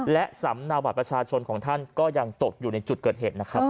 และสำนาบัตรประชาชนของท่านก็ยังตกอยู่ในจุดเกิดเหตุนะครับ